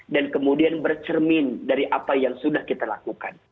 dan kemudian bercermin dari apa yang sudah kita lakukan